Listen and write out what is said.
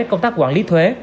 công tác quản lý thuế